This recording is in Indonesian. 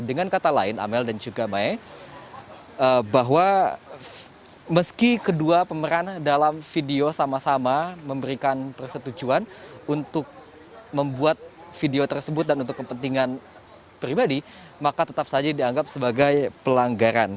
yang secara eksplisit membuat video tersebut dan untuk kepentingan pribadi maka tetap saja dianggap sebagai pelanggaran